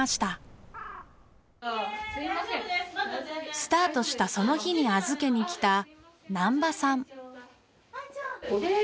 スタートしたその日に預けに来た南波さん。